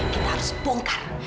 kita harus bongkar